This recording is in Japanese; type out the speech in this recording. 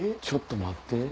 ちょっと待って。